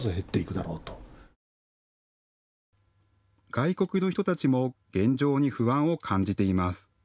外国の人たちも現状に不安を感じています。